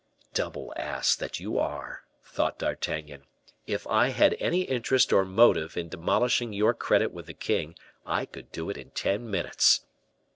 "Double ass that you are!" thought D'Artagnan; "if I had any interest or motive in demolishing your credit with the king, I could do it in ten minutes.